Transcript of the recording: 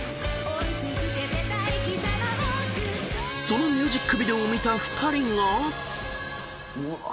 ［そのミュージックビデオを見た２人が］うわ。